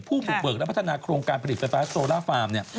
บุกเบิกและพัฒนาโครงการผลิตไฟฟ้าโซล่าฟาร์มเนี่ย